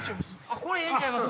これええんちゃいます？